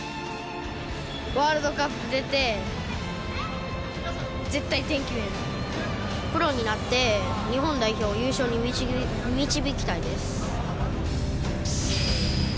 ワールドカップ出て、プロになって、日本代表を優勝に導きたいです。